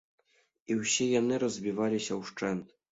І ўсе яны разбіваліся ўшчэнт.